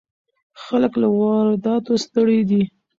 خلک له وارداتو ستړي دي.